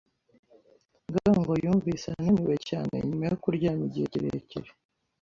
ngango yumvise ananiwe cyane nyuma yo kuryama igihe kirekire.